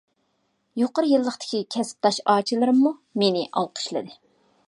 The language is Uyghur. يۇقىرى يىللىقتىكى كەسىپداش ئاچىلىرىممۇ مېنى ئالقىشلىدى.